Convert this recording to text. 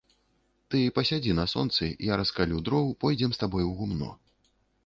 Ты пасядзі на сонцы, я раскалю дроў, пойдзем з табой у гумно.